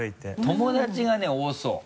友達がね多そう。